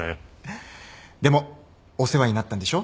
でもお世話になったんでしょ？